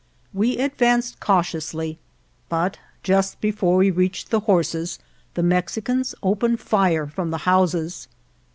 We ad vanced cautiously, but just before we reached the horses the Mexicans opened fire from the houses.